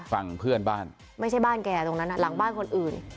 ฝั่งเพื่อนบ้านไม่ใช่บ้านแกตรงนั้นหลังบ้านคนอื่น